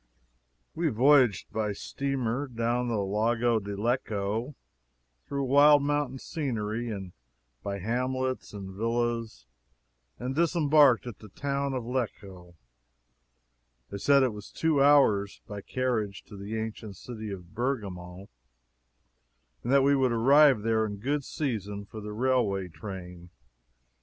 We voyaged by steamer down the Lago di Lecco, through wild mountain scenery, and by hamlets and villas, and disembarked at the town of Lecco. They said it was two hours, by carriage to the ancient city of Bergamo, and that we would arrive there in good season for the railway train.